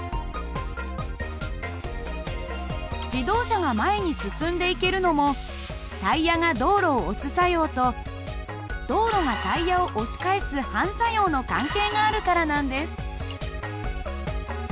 自動車が前に進んでいけるのもタイヤが道路を押す作用と道路がタイヤを押し返す反作用の関係があるからなんです。